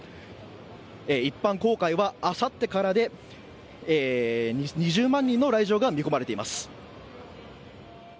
一般公開はあさってからで２０万人の来場が見込まれています。